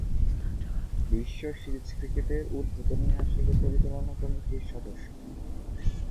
বিশ্ব সিরিজ ক্রিকেটের উদ্বোধনী আসরে পরিচালনা কমিটির সদস্য হন।